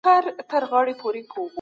آیا تاسي بېدېدلي سواست؟